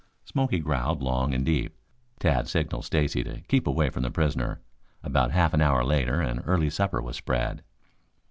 Smoky growled long and deep. Tad signaled Stacy to keep away from the prisoner. About half an hour later an early supper was spread.